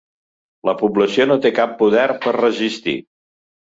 La població no té cap poder per resistir.